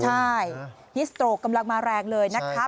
ใช่ฮิสโตรกกำลังมาแรงเลยนะคะ